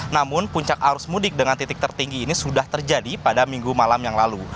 namun puncak arus mudik dengan titik tertinggi ini sudah terjadi pada minggu malam yang lalu